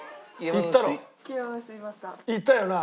行ったよな？